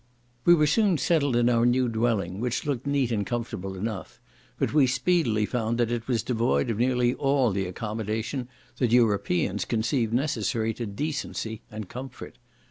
We were soon settled in our new dwelling, which looked neat and comfortable enough, but we speedily found that it was devoid of nearly all the accommodation that Europeans conceive necessary to decency and comfort.